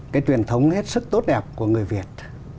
cái truyền thống hết sức tốt đẹp của người việt